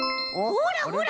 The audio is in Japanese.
ほらほら！